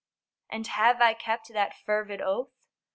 And have I kept that fervid oath?